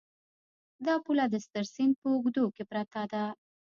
دا پوله د ستر سیند په اوږدو کې پرته ده.